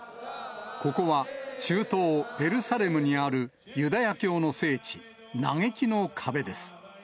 ここは中東エルサレムにあるユダヤ教の聖地、嘆きの壁です。